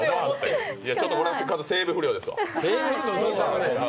これは整備不良ですわ。